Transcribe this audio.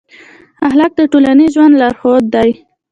اخلاق د ټولنیز ژوند لارښود دی.